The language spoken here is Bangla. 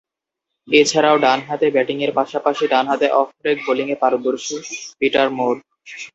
এছাড়াও, ডানহাতে ব্যাটিংয়ের পাশাপাশি ডানহাতে অফ ব্রেক বোলিংয়ে পারদর্শী পিটার মুর।